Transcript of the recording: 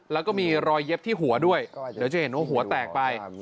แล้วก็มีรอยเย็บที่หัวด้วยเดี๋ยวจะเห็นว่าหัวแตกไป